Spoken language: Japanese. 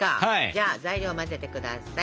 じゃあ材料を混ぜてください。